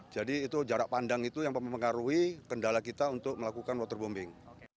jadi itu jarak pandang itu yang mempengaruhi kendala kita untuk melakukan waterbombing